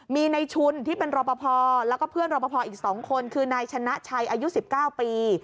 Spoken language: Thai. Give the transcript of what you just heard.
มีในชุนที่เป็นรอปภแล้วก็เพื่อนรอปภอีก๒คนคือนายชนะชัยอายุ๑๙ปี